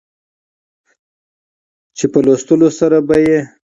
چې په لوستلو سره به يې